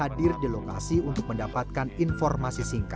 seorang dapat merasa hadir di lokasi untuk mendapatkan informasi singkat